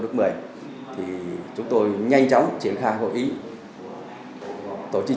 đức mời thì chúng tôi nhanh chóng triển khai hội ý tổ chính